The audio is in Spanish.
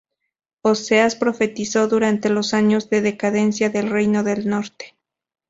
Oseas profetizó durante los años de decadencia del reino del norte.